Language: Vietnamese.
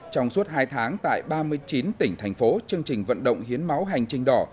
trong suốt hai tháng tại ba mươi chín tỉnh thành phố chương trình vận động hiến máu hành trình đỏ